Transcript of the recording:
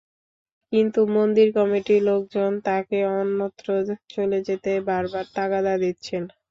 কিন্তু মন্দির কমিটির লোকজন তাঁকে অন্যত্র চলে যেতে বারবার তাগাদা দিচ্ছেন।